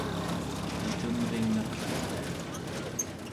nallunringnaqellria